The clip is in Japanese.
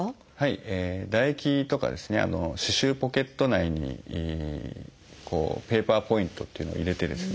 唾液とか歯周ポケット内にペーパーポイントっていうのを入れてですね